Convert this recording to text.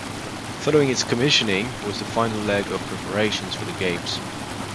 Following its commissioning was the final leg of preparations for the games.